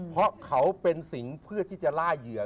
เพราะเขาเป็นสิงเพื่อที่จะล่าเหยื่อ